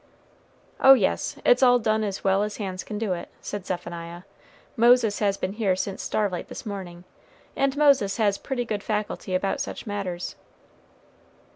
"Oh yes, it's all done as well as hands can do it," said Zephaniah. "Moses has been here since starlight this morning, and Moses has pretty good faculty about such matters."